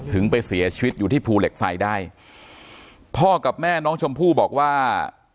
ไปเสียชีวิตอยู่ที่ภูเหล็กไฟได้พ่อกับแม่น้องชมพู่บอกว่า